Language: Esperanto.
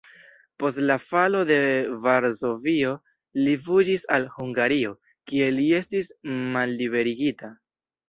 Post la falo de Varsovio li fuĝis al Hungario, kie li estis malliberigita.